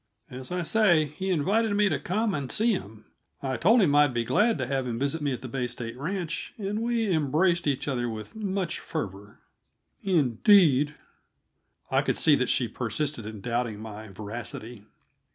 As I say, he invited me to come and see him; I told him I should be glad to have him visit me at the Bay State Ranch, and we embraced each other with much fervor." "Indeed!" I could see that she persisted in doubting my veracity.